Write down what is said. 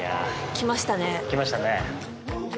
来ましたね。